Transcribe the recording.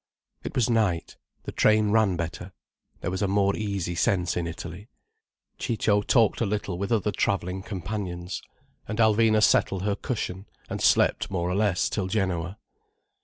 It was night, the train ran better, there was a more easy sense in Italy. Ciccio talked a little with other travelling companions. And Alvina settled her cushion, and slept more or less till Genoa.